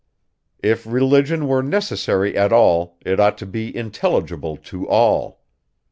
If religion were necessary at all, it ought to be intelligible to all.